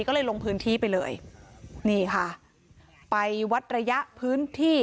ก็เลยลงพื้นที่ไปเลยนี่ค่ะไปวัดระยะพื้นที่